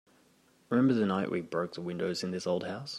Remember the night we broke the windows in this old house?